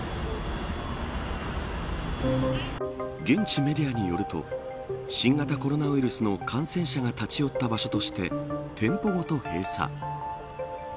現地メディアによると新型コロナウイルスの感染者が立ち寄った場所として店舗ごと閉鎖。